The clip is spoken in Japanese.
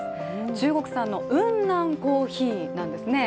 中国産の雲南コーヒーなんですね。